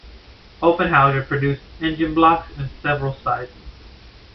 Offenhauser produced engine blocks in several sizes.